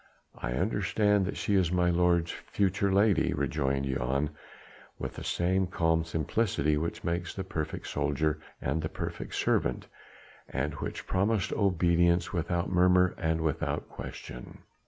"I understand that she is my lord's future lady," rejoined Jan, with the same calm simplicity which makes the perfect soldier and the perfect servant, and which promised obedience without murmur and without question.